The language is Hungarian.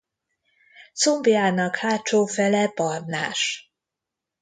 Combjának hátsó fele barnás.